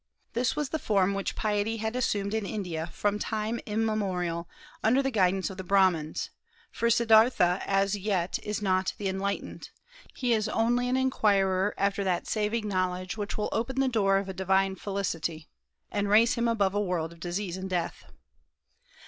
This was the form which piety had assumed in India from time immemorial, under the guidance of the Brahmans; for Siddârtha as yet is not the "enlightened," he is only an inquirer after that saving knowledge which will open the door of a divine felicity, and raise him above a world of disease and death.